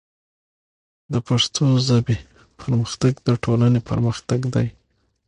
د پښتو ژبې پرمختګ د ټولنې پرمختګ دی.